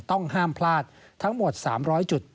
ต้องห้ามพลาดทั้งหมด๓๐๐จุด